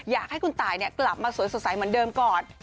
อยากให้คุณตายกลับมาสวยสดใสเหมือนเดิมก่อน